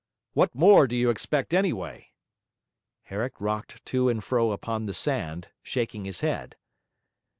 What more do you expect anyway?' Herrick rocked to and fro upon the sand, shaking his head.